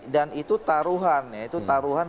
dan itu taruhan ya itu taruhan